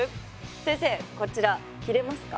先生こちら切れますか？